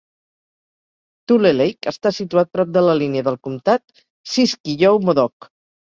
Tulelake està situat prop de la línia del comptat Siskiyou-Modoc.